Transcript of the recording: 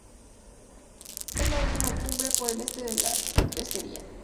Es la última cumbre por el este de la crestería.